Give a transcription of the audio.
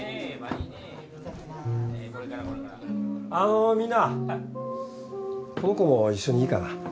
あのみんなこの子も一緒にいいかな？